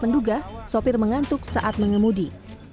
menduga sopir mengantuk saat mengemudi